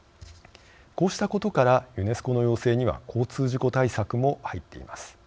こうしたことからユネスコの要請には交通事故対策も入っています。